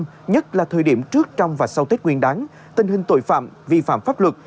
nhất là thời điểm trước trong và sau tết nguyên đáng tình hình tội phạm vi phạm pháp luật